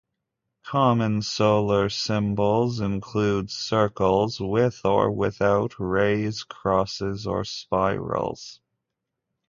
Common solar symbols include circles with or without rays, crosses or spirals.